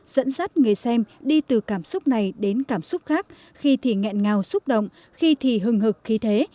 dẫn dắt người xem đi từ cảm xúc này đến cảm xúc khác khi thì nghẹn ngào xúc động khi thì hừng hực khí thế